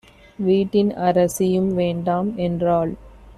வீட்டின் அரசியும் வேண்டாம் என்றாள்.